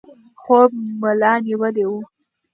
خوب ملا نیولی و.